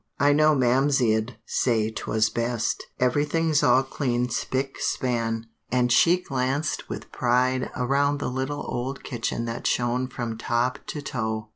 I know Mamsie'd say 'twas best, everything's all clean spick span;" and she glanced with pride around the little old kitchen that shone from top to toe.